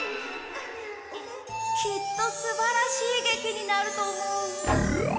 きっとすばらしい劇になると思う。